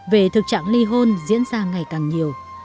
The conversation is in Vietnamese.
về thực trạng ly hôn diễn ra ngày càng nhiều